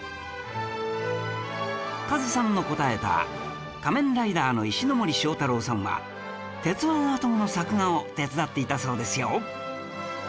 カズさんの答えた『仮面ライダー』の石森章太郎さんは『鉄腕アトム』の作画を手伝っていたそうですよ